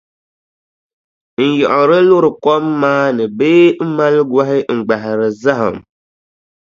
N-yiɣiri luri kom maa ni bee m-mali gɔhi n-gbahiri zahim.